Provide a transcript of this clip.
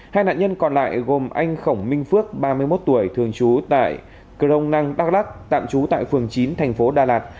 hai nạn nhân còn lại gồm anh khổng minh phước ba mươi một tuổi thường trú tại crong năng đắk lắc tạm trú tại phường chín thành phố đà lạt